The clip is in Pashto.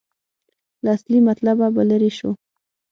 له اصلي مطلبه به لرې شو.